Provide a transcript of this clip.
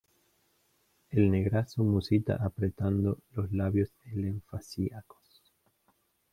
el negrazo musita apretando los labios elefancíacos: